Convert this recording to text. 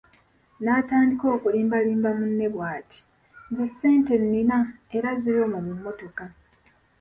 N'atandika okulimbalimba munne bw'ati:"nze ssente nina era ziri omwo mu mmotoka"